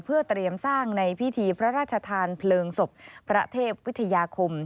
เพื่อเตรียมสร้างในพิธีพระราชทานเพลิงศพพระเทพวิทยาคม